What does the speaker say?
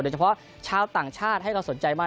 เฉพาะชาวต่างชาติให้เราสนใจมาก